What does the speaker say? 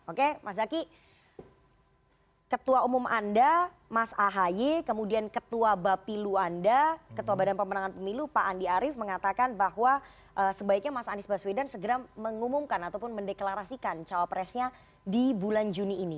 oke mas zaky ketua umum anda mas ahaye kemudian ketua bapilu anda ketua badan pemenangan pemilu pak andi arief mengatakan bahwa sebaiknya mas anies baswedan segera mengumumkan ataupun mendeklarasikan cawapresnya di bulan juni ini